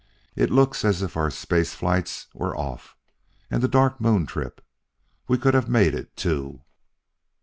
It looks as if our space flights were off. And the Dark Moon trip! We could have made it, too."